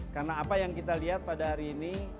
karena apa yang kita lihat pada hari ini